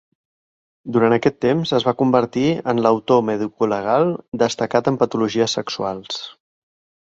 Durant aquest temps, es va convertir en l'autor medicolegal destacat en patologies sexuals.